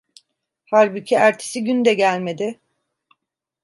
Halbuki ertesi gün de gelmedi.